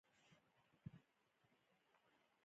د هغې ښکلا د لمر وړانګې په زړه کې انځوروي.